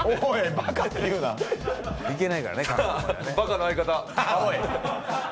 バカの相方。